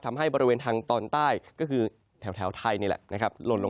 ทำให้บริเวณทางตอนใต้ก็คือแถวไทยนี่แหละนะครับ